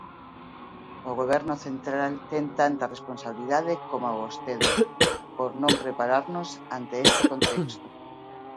O Goberno central ten tanta responsabilidade coma vostede por non prepararnos ante este contexto.